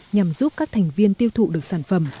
nhằm giúp các thành viên tiêu thụ được sản phẩm